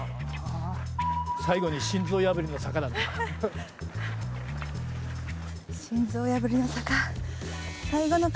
最後に心臓破りの坂だ。